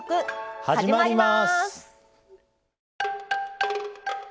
始まります。